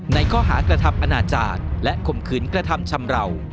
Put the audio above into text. ในข้อหากระทำอนาจารย์และข่มขืนกระทำชำราว